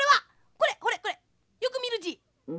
これこれこれよくみるじ」。